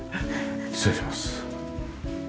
失礼します。